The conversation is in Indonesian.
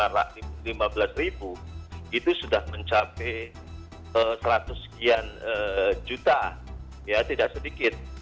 lima belas ribu itu sudah mencapai seratus sekian juta ya tidak sedikit